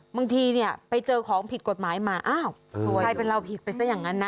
บางทีเนี่ยไปเจอของผิดกฎหมายมาอ้าวใครเป็นเราผิดไปซะอย่างนั้นนะ